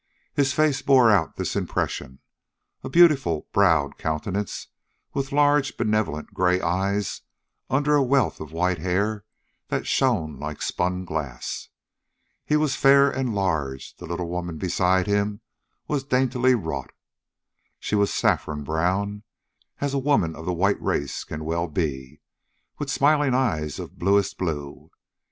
His face bore out this impression a beautiful browed countenance, with large, benevolent gray eyes under a wealth of white hair that shone like spun glass. He was fair and large; the little woman beside him was daintily wrought. She was saffron brown, as a woman of the white race can well be, with smiling eyes of bluest blue.